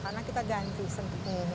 karena kita ganti sendi